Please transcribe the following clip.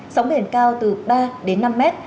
sóng biển cao từ ba năm mét